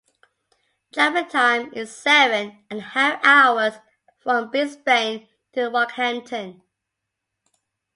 Driving time is seven and a half hours from Brisbane to Rockhampton.